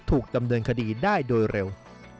ถูกดำเนินคดีได้โดยเร็ว